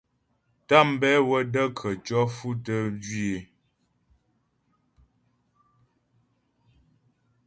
Tàmbɛ wə də́ khətʉɔ̌ fʉtəm jwǐ é.